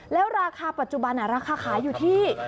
แล้วราคาปัจจุบันราคาขายอยู่ที่